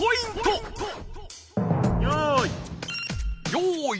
よい。